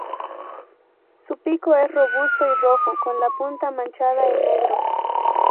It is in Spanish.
Su pico es robusto y rojo, con la punta manchada en negro.